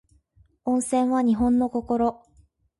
温泉は日本の心